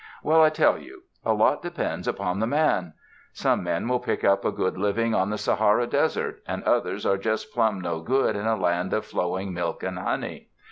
Well, I tell you; a lot de pends upon the man. Some men will pick up a good living on the Sahara Desert, and others are just plum no good in a land of flowing milk and honey.